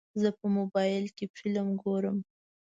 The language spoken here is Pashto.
زه په موبایل کې فلم ګورم.